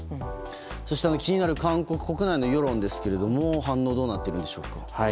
そして、気になる韓国国内の世論ですが反応はどうなっているんでしょうか。